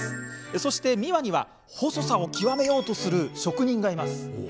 そして三輪には、細さを極めようとする職人がいます。